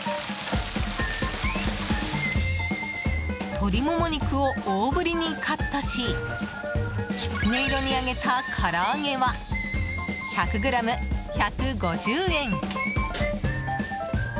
鶏モモ肉を大ぶりにカットしきつね色に揚げたから揚げは１００ｇ、１５０円。